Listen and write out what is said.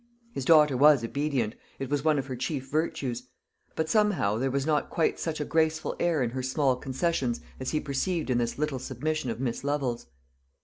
His daughter was obedient it was one of her chief virtues; but somehow there was not quite such a graceful air in her small concessions as he perceived in this little submission of Miss Lovel's.